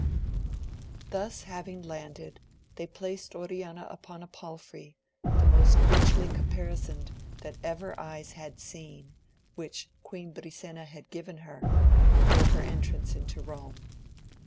Thus having landed they placed Oriana upon a pal frey, the most richly caparisoned that ever eyes had seen, which Queen Brisena had given her, for her en trance into Eome.